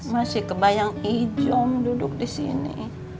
masih kebayang ijom duduk di sini